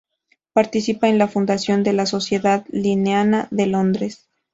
Participa en la fundación de la Sociedad linneana de Londres.